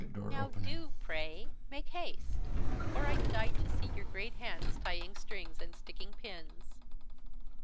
"Now do, pray, make haste; for I die to see your great hands tying strings and sticking pins."